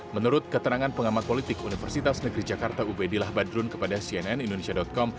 menurut keterangan pengamat politik universitas negeri jakarta ubedillah badrun kepada cnn indonesia com